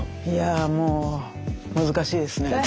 いやあもう難しいですね。